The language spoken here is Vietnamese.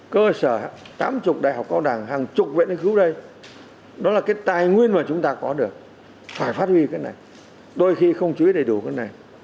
cơ sở tám mươi đại học cao đẳng hàng chục viện nghiên cứu đây đó là cái tài nguyên mà chúng ta có được phải phát huy cái này đôi khi không chú ý đầy đủ cái này